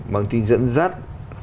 mang tính dẫn dắt